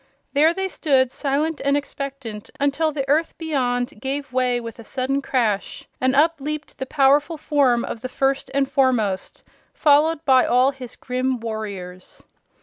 There they stood silent and expectant until the earth beyond gave way with a sudden crash and up leaped the powerful form of the First and Foremost, followed by all his grim warriors.